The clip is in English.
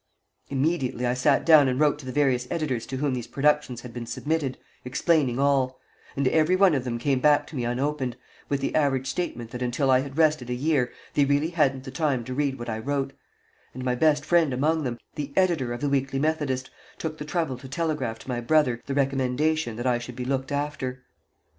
_ Immediately I sat down and wrote to the various editors to whom these productions had been submitted, explaining all and every one of them came back to me unopened, with the average statement that until I had rested a year they really hadn't the time to read what I wrote; and my best friend among them, the editor of the Weekly Methodist, took the trouble to telegraph to my brother the recommendation that I should be looked after.